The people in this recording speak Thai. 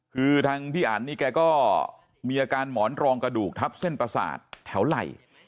คือทางพี่อันนี่แกก็มีอาการหมอนรองกระดูกทับเส้นประสาทแถวไหล่